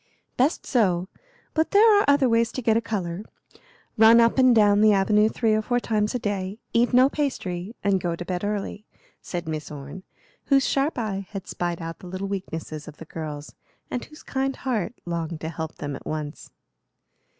"Best so; but there are other ways to get a color. Run up and down the avenue three or four times a day, eat no pastry, and go to bed early," said Miss Orne, whose sharp eye had spied out the little weaknesses of the girls, and whose kind heart longed to help them at once.